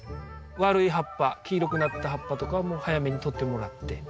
悪い葉っぱ黄色くなった葉っぱとかはもう早めにとってもらって。